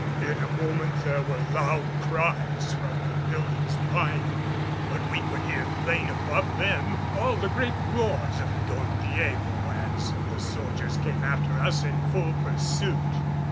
In a moment there were loud cries from the buildings behind, but we could hear plain above them all the great roars of Don Diego as the soldiers came after us in full pursuit.